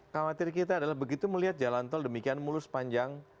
khawatir kita adalah begitu melihat jalan tol demikian mulus panjang